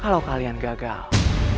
kalau kalian gagal